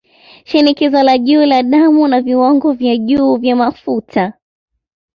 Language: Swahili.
Shinikizo la juu la damu na Viwango vya juu vya Mafuta